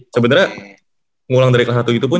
sebenarnya ngulang dari kelas satu gitu pun